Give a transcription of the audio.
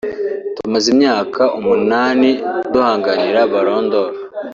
“Tumaze imyaka umunani duhanganira Ballon d’Or